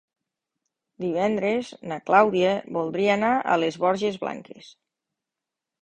Divendres na Clàudia voldria anar a les Borges Blanques.